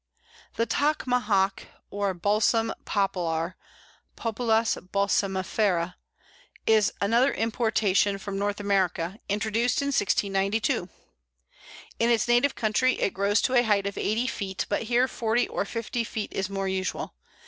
The Tacamahac or Balsam Poplar (Populus balsamifera) is another importation from North America, introduced in 1692. In its native country it grows to a height of eighty feet, but here forty or fifty feet is more usual.